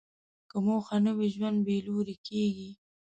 که موخه نه وي، ژوند بېلوري کېږي.